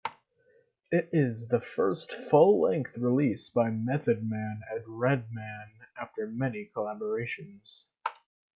It is the first full-length release by Method Man and Redman after many collaborations.